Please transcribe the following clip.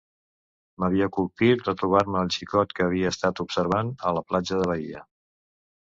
M'havia colpit retrobar-me el xicot que havia estat observant a la platja de Baia.